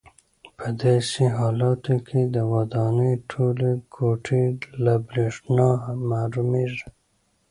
په داسې حالاتو کې د ودانۍ ټولې کوټې له برېښنا محرومېږي.